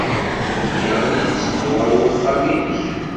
Aql-aɣ la netteddu ɣer uxxam-nnek.